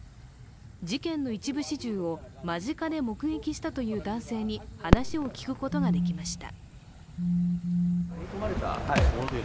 事件の一部始終を間近で目撃したという男性に話を聞くことができました。